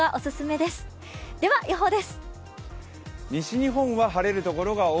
では予報です。